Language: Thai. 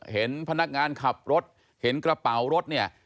เห็นพนักงานขับรถเห็นกระเป๋ารถเนี่ย